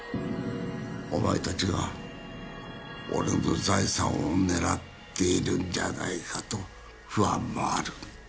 お前たちが俺の財産を狙っているんじゃないかと不安もある。